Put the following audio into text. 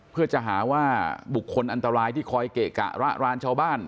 เพื่อจะหาว่าบุคคลอันตรายที่คอยเกะกะระรานชาวบ้าน